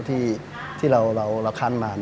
ที่เราคั้นมา